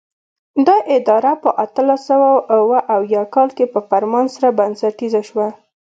دا اداره په اتلس سوه اوه اویا کال کې په فرمان سره بنسټیزه شوه.